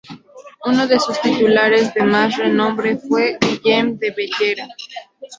Uno de sus titulares de más renombre fue Guillem de Bellera.